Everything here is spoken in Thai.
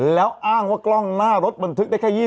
แล้วอ้างว่ากล้องหน้ารถบันทึกได้แค่๒๐